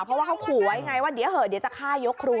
เพราะว่าเขาขู่ไว้ไงว่าเดี๋ยวเหอะเดี๋ยวจะฆ่ายกครู